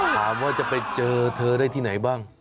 ว่าจะไปเจอเธอได้ที่ไหนบ้าง